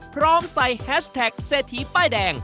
พร้อมใส่แฮชแท็กเศรษฐีป้ายแดง